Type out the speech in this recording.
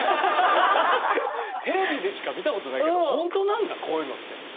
テレビでしか見たことないけどほんとなんだこういうのって。